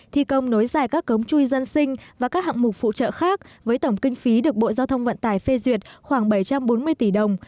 thi công nối dài các cống chui dân sinh và các hạng mục phụ trợ khác với tổng kinh phí được bộ giao thông vận tải phê duyệt khoảng bảy trăm bốn mươi tỷ đồng